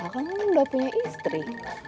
kamu udah punya istri